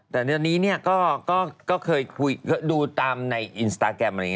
แต่ตอนนี้ก็เคยดูตามในอินสตาแกรม